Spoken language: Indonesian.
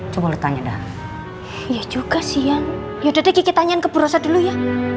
coba tanya dah ya juga siang yuk kita nyanyi ke perusahaan dulu ya